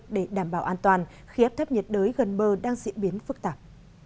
để đảm bảo an toàn khi áp thấp nhiệt đới gần bờ đang diễn biến phức tạp